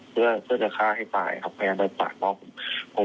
เพื่อจะฆ่าให้ตายครับพยายามจะปากป้องผม